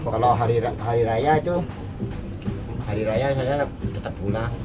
kalau hari raya itu hari raya saya tetap guna